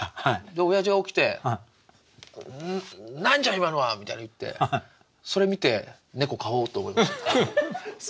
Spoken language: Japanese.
おやじが起きて「んん。何じゃ今のは！」みたいの言ってそれ見て猫飼おうと思いましたね。